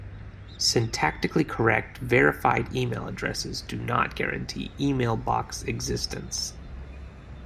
Syntactically correct, verified email addresses do not guarantee email box existence.